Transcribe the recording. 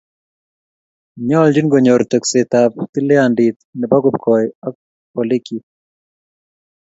Nyoljin konyor tekseetab tilyandit ne bo kipkoi ak olikyik